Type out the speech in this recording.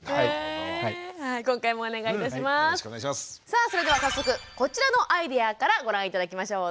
さあそれでは早速こちらのアイデアからご覧頂きましょう。